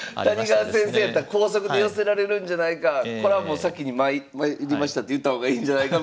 谷川先生やったら光速で寄せられるんじゃないかこれはもう先に参りましたって言った方がいいんじゃないかみたいな。